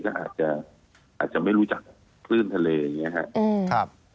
ก็อาจจะไม่รู้จักพื้นทะเลอย่างนี้